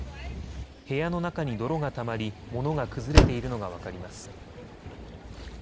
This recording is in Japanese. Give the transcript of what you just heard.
部屋の中に泥がたまり物が崩れているのが分かります。